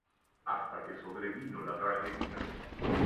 Hasta que sobrevino la tragedia.